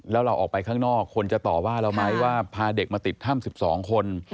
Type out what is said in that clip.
แล้วเราออกไปข้างนอกคนจะต่อว่าเราไหมว่าพาเด็กมาติดถ้ำ๑๒คน